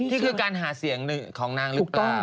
นี่คือการหาเสียงของนางหรือเปล่า